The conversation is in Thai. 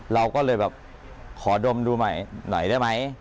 เราก็เลยแบบขอดมดูใหม่หน่อยได้ไหม